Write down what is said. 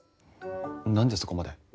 何でそこまで。